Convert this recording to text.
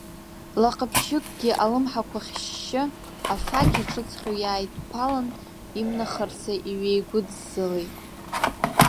Лаҟаԥшьыкгьы алымҳақәа хьышьшьы, афақь аҿыҵҟьо иааидԥалан, имнахрацы иҩеигәыдззалеит.